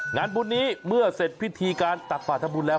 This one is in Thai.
งานบุญนี้เมื่อเสร็จพิธีการตักบาททำบุญแล้ว